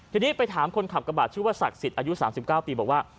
ทีนี้ไปถามคนขับกระบาดชื่อว่าศักดิ์สิทธิ์อายุ๓๙ปีบอกว่า